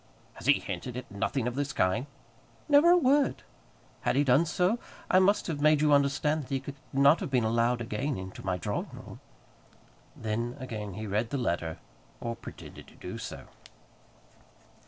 "He has hinted at nothing of this kind?" "Never a word. Had he done so, I must have made you understand that he could not have been allowed again into my drawing room." Then again he read the letter, or pretended to do so.